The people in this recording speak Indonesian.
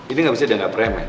ini nggak bisa dianggap remeh